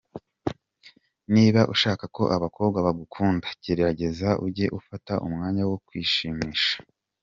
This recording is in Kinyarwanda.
Niba ushaka ko abakobwa bagukunda, gerageza ujye ufata umwanya wo kwishimisha.